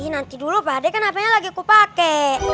nanti dulu pak de kenapa itu aku pake